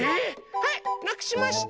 ⁉はいなくしました。